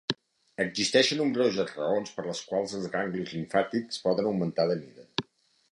Existeixen nombroses raons per les quals els ganglis limfàtics poden augmentar de mida.